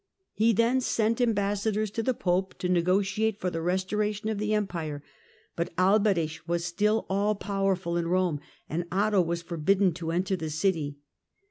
He then sent ambassadors to the Pope to negotiate for the restora tion of the Empire, but Alberic was still all powerful in Eome, and Otto was forbidden to enter the city.